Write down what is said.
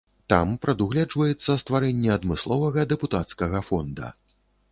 Там прадугледжваецца стварэнне адмысловага дэпутацкага фонда.